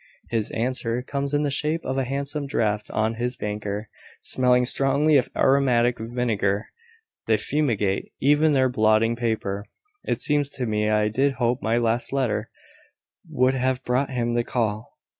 His answer comes in the shape of a handsome draft on his banker, smelling strongly of aromatic vinegar. They fumigate even their blotting paper, it seems to me. I did hope my last letter would have brought him to call."